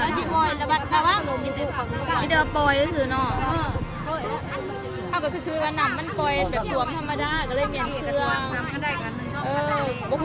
สวัสดีครับ